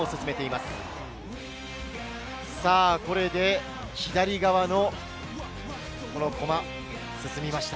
これで左側の駒が決まりました。